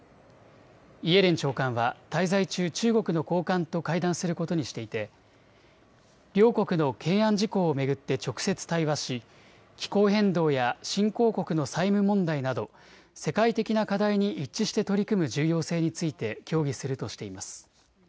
イエレン長官は滞在中、中国の高官と会談することにしていて両国の懸案事項を巡って直接対話し気候変動や新興国の債務問題など世界的な課題に一致して取り組む重要性について協議するとしています。